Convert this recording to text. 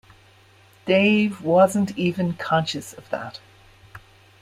Dave wasn't even conscious of that.